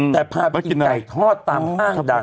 แต่ผ้ากั้นให้กินไก่ทอดตามห้างดัง